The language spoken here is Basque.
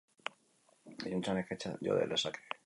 Iluntzean ekaitzak jo lezake.